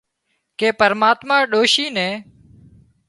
ڪي پرماتما ڏوشي نين